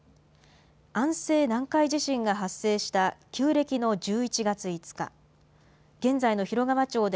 安政南海地震が発生した旧暦の１１月５日、現在の広川町で、